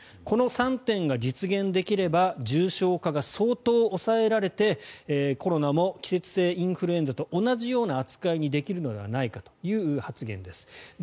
この３点が実現できれば重症化が相当抑えられてコロナも季節性インフルエンザと同じような扱いにできるのではないかという発言です。